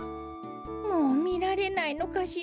もうみられないのかしら。